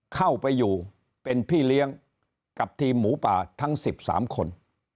เข้าไปอยู่เป็นพี่เลี้ยงกับทีมหมูป่าทั้ง๑๓คน